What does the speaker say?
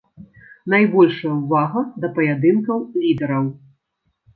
Найбольшая ўвага да паядынкаў лідараў.